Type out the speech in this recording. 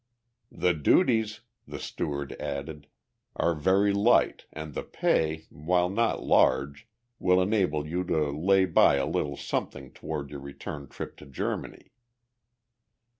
"The duties," the steward added, "are very light and the pay, while not large, will enable you to lay by a little something toward your return trip to Germany."